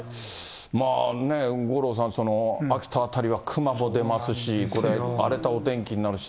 まあね、五郎さん、秋田辺りはクマも出ますし、これ、荒れたお天気になるし。